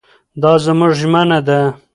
دا زموږ ژمنه ده.